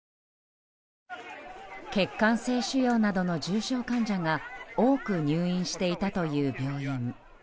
血管性腫瘍などの重症患者が多く入院していたという病院。